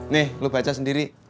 nih lo baca sendiri